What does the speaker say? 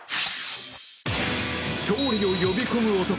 勝利を呼び込む男